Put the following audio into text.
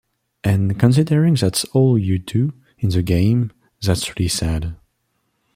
And considering that's all you do in the game, that's really sad.